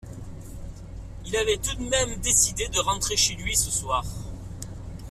Il avait tout de même décidé de rentrer chez lui ce soir.